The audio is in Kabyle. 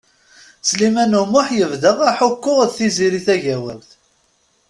Sliman U Muḥ yebda aḥukku d Tiziri Tagawawt.